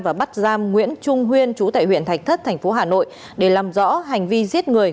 và bắt giam nguyễn trung huyên chú tại huyện thạch thất thành phố hà nội để làm rõ hành vi giết người